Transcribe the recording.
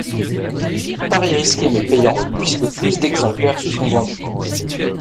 Pari risqué mais payant puisque plus de exemplaires se sont vendus.